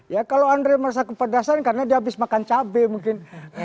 ya kalau andre merasa kepedasan karena dia habis makan cabai mungkin